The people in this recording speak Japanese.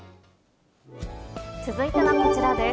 続いてはこちらです。